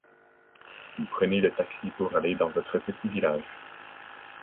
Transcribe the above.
Vous prenez le taxi pour aller dans votre petit village.